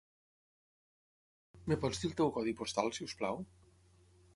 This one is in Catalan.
Em pots dir el teu codi postal si us plau?